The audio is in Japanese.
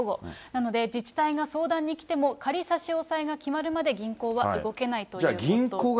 なので自治体が相談に来ても、仮差し押さえが決まるまで銀行は動けないということです。